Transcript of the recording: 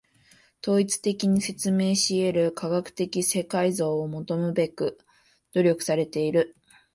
統一的に説明し得る科学的世界像を求むべく努力されている。